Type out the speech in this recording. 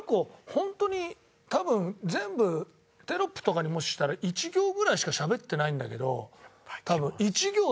本当に多分全部テロップとかにもししたら１行ぐらいしかしゃべってないんだけど多分。